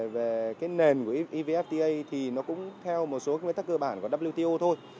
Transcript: về cái nền của evfta thì nó cũng theo một số cái tác cơ bản của wto thôi